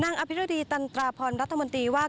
นางอทันตราพรรัฐมนตรีว่า